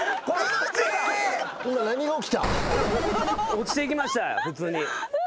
落ちていきました普通に。